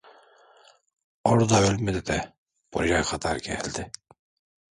Orada ölmedi de buraya kadar geldi?